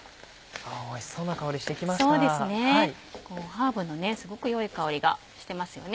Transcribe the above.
ハーブのすごく良い香りがしてますよね。